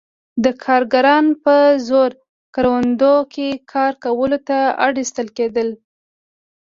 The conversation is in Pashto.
دا کارګران په زور کروندو کې کار کولو ته اړ ایستل کېدل.